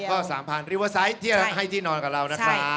ก็สามพรานริเวอร์ไซค์ที่ให้ที่นอนกับเรานะครับ